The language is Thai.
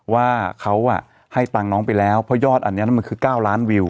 ว่าเขาให้ตังค์น้องไปแล้วเพราะยอดอันนี้มันคือ๙ล้านวิว